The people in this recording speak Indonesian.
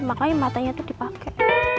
makanya matanya itu dipakai